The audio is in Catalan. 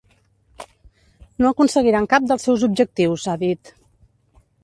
No aconseguiran cap dels seus objectius, ha dit.